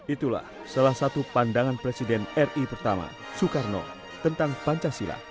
itulah salah satu pandangan presiden ri pertama soekarno tentang pancasila